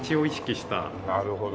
なるほど。